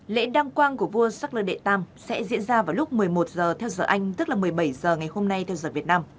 lễ đăng quang của vua shakla đệ tam sẽ diễn ra vào lúc một mươi một h theo giờ anh tức là một mươi bảy h ngày hôm nay theo giờ việt nam